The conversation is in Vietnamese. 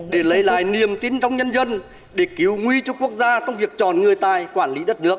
để lấy lại niềm tin trong nhân dân để cứu nguy cho quốc gia trong việc chọn người tài quản lý đất nước